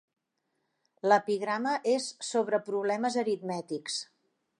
L'epigrama és sobre problemes aritmètics.